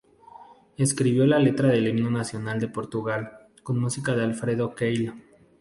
Escribió la letra del Himno Nacional de Portugal, con música de Alfredo Keil.